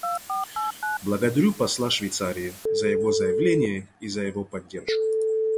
Благодарю посла Швейцарии за его заявление и за его поддержку.